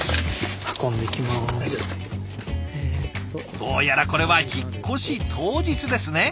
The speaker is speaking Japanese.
どうやらこれは引っ越し当日ですね。